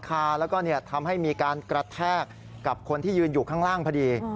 กับคนที่ยืนอยู่ข้างล่างพอดี